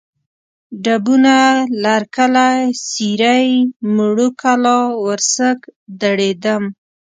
ډبونه، لرکلی، سېرۍ، موړو کلا، ورسک، دړیدم